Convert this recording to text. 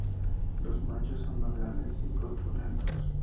Los machos son más grandes y corpulentos.